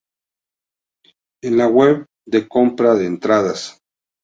en la web de compra de entradas